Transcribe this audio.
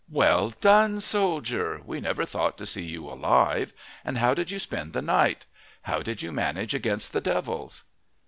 "Well done, soldier! We never thought to see you alive. And how did you spend the night? How did you manage against the devils?"